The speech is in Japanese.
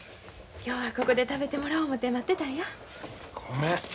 今日はここで食べてもらおう思て待ってたんや。